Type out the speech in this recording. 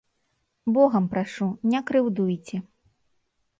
Богам прашу, не крыўдуйце.